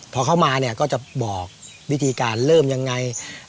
พอเข้ามาเนี่ยก็จะบอกวิธีการเริ่มยังไง